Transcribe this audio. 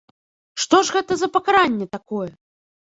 Што ж гэта за пакаранне такое?